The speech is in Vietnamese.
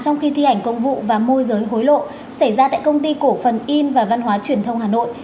trong khi thi hành công vụ và môi giới hối lộ xảy ra tại công ty cổ phần in và văn hóa truyền thông hà nội